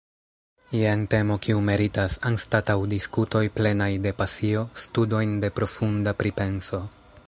Jen temo kiu meritas, anstataŭ diskutoj plenaj de pasio, studojn de profunda pripenso.